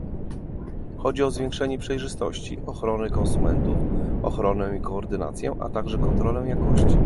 Chodzi o zwiększenie przejrzystości, ochrony konsumentów, ochronę i koordynację, a także kontrolę jakości